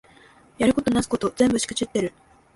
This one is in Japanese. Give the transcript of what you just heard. やることなすこと全部しくじってる